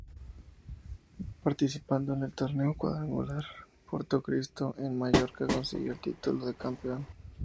Participando en el Torneo Cuadrangular "Porto Cristo" en Mallorca, consiguió el título de Campeón.